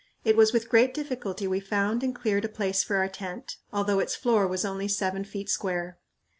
It was with great difficulty we found and cleared a place for our tent, although its floor was only seven feet square.